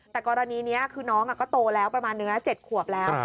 แต่กรณีนี้คือน้องก็โตแล้วประมาณเนื้อ๗ขวบแล้ว